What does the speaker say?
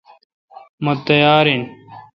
مہ تیار ہو۔